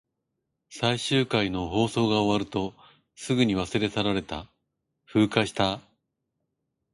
最終回の放送が終わると、すぐに忘れ去られた。風化した。